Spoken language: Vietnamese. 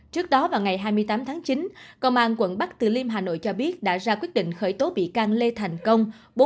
trước đó vào ngày hai mươi tám tháng chín công an quận bắc từ liêm hà nội cho biết đã ra quyết định khởi tố bị can lê thành công